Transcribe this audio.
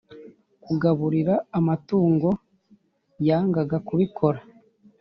kugaburira amatungo yangaga kubikora